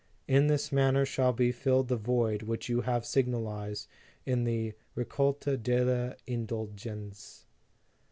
In this manner shall be filled the void which you have signalized in the Racolta delle Indulgenze.